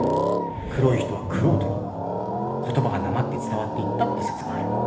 黒い人は玄人に言葉がなまって伝わっていったって説がある